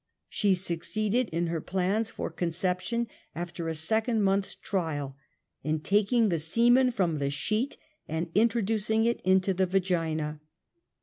She suc [ceeded in her plans for conception after a second month's trial, in taking the semen from the sheet and introducing it into the vagina.